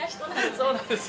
そうなんですよ